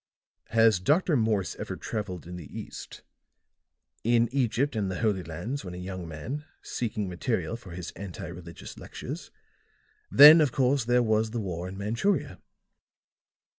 "Has Dr. Morse ever traveled in the East?" "In Egypt and the Holy Lands when a young man, seeking material for his anti religious lectures. Then, of course, there was the war in Manchuria."